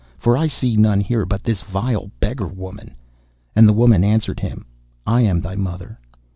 For I see none here but this vile beggar woman.' And the woman answered him, 'I am thy mother.